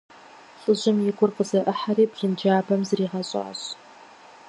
ЛӀыжьым и гур зэӀыхьэри, блынджабэм зригъэщӀащ.